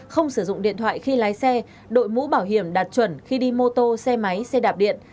không sử dụng điện thoại khi lái xe đội mũ bảo hiểm đạt chuẩn khi đi mô tô xe máy xe đạp điện